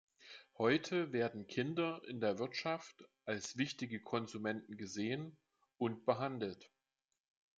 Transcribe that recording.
Heute werden Kinder in der Wirtschaft als wichtige Konsumenten gesehen und behandelt.